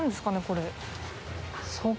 これ。